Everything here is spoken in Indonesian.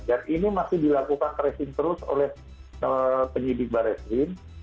dan ini masih dilakukan kresim terus oleh penyidik barres rin